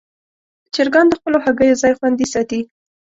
چرګان د خپلو هګیو ځای خوندي ساتي.